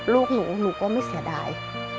ลูกหนูหนูก็ไม่เสียดาย